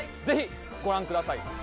ぜひご覧ください。